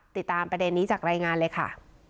ติดตามประเด็นนี้จากรายงานเลยค่ะ